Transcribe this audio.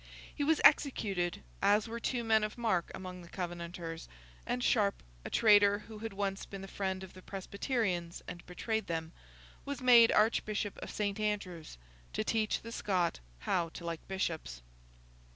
He was executed, as were two men of mark among the Covenanters; and Sharp, a traitor who had once been the friend of the Presbyterians and betrayed them, was made Archbishop of St. Andrew's, to teach the Scotch how to like bishops.